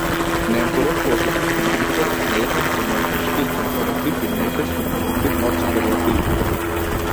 Немтур е позитив, намќор нејзин семантички компаратив и некез суперлатив над суперлативите.